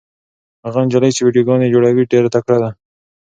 هغه نجلۍ چې ویډیوګانې جوړوي ډېره تکړه ده.